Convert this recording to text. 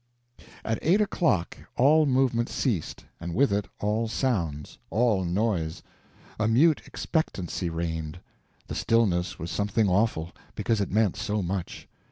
At eight o'clock all movement ceased, and with it all sounds, all noise. A mute expectancy reigned. The stillness was something awful—because it meant so much.